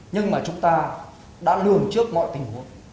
nhưng mà chúng ta đã lường trước mọi tình huống